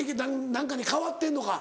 何かに変わってんのか。